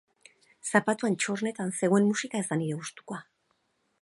Zapatuan txostenan zegoen musika ez da nire gustukoa.